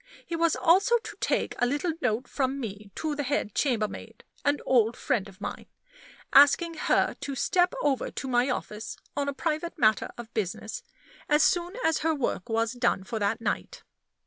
He was also to take a little note from me to the head chambermaid an old friend of mine asking her to step over to my office, on a private matter of business, as soon as her work was done for that night.